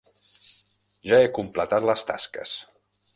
Ja he completat les tasques.